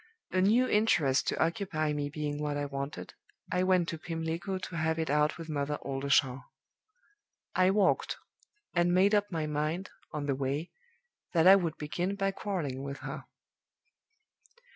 A new interest to occupy me being what I wanted, I went to Pimlico to have it out with Mother Oldershaw. "I walked; and made up my mind, on the way, that I would begin by quarreling with her.